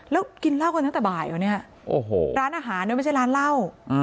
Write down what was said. แล้วกินเหล้ากันตั้งแต่บ่ายเหรอเนี่ยโอ้โหร้านอาหารเนี่ยไม่ใช่ร้านเหล้า